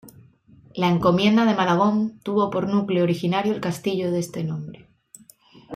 La Encomienda de Malagón tuvo por núcleo originario el castillo de este nombre.